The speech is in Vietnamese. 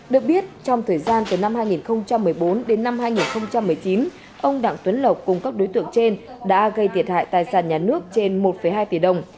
được biết trong thời gian từ năm hai nghìn một mươi bốn đến năm hai nghìn một mươi chín ông đặng tuấn lộc cùng các đối tượng trên đã gây thiệt hại tài sản nhà nước trên một hai tỷ đồng